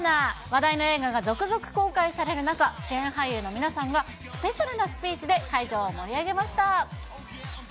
話題の映画が続々公開される中、主演俳優の皆さんがスペシャルなスピーチで、会場を盛り上げました。